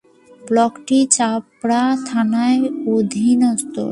ব্লকটি চাপড়া থানার অধীনস্থ।